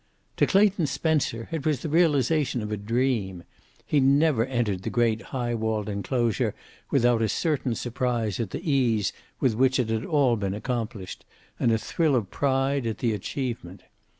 To Clayton Spencer it was the realization of a dream. He never entered the great high walled enclosure without a certain surprise at the ease with which it had all been accomplished, and a thrill of pride at the achievement.